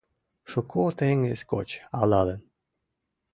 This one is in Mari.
Шуко теҥыз гоч алалын;